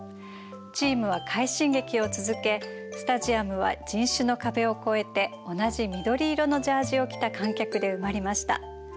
チームは快進撃を続けスタジアムは人種の壁を超えて同じ緑色のジャージを着た観客で埋まりました。